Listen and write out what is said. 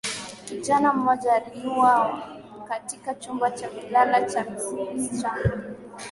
kijana mmoja aliuawa katika chumba cha kulala cha msichana